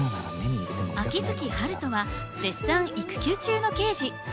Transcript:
秋月春風は絶賛育休中の刑事。